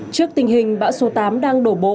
trước tình hình bão số tám đang đổ bộ